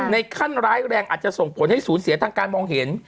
ขั้นร้ายแรงอาจจะส่งผลให้ศูนย์เสียทางการมองเห็น